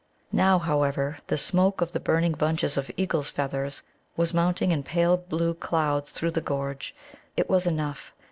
Now, however, the smoke of the burning bunches of eagles' feathers was mounting in pale blue clouds through the gorge. It was enough.